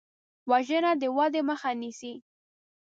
وژنه د ودې مخه نیسي